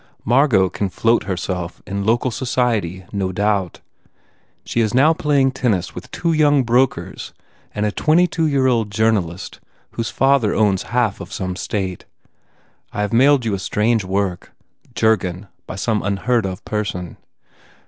Margot can float herself in local society no doubt. She is now playing tennis with two young brokers and a 22 year old journalist whose father owns half of some State. I have mailed you a strange work, Jurgen by some unheard of person.